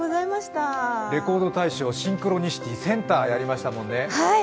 「レコード大賞」、「シンクロニシティ」センターやりましたもんね。